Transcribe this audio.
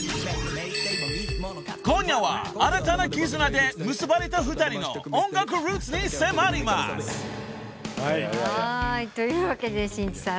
［今夜は新たな絆で結ばれた２人の音楽ルーツに迫ります］というわけでしんいちさん。